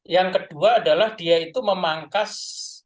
yang kedua adalah dia itu memangkas